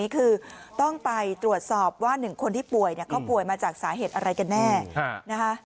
เขาป่วยมาจากสาเหตุอะไรกันแน่นะคะ